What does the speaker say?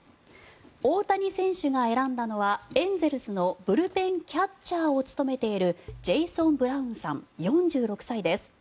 大谷選手が選んだのはエンゼルスのブルペンキャッチャーを務めているジェイソン・ブラウンさん４６歳です。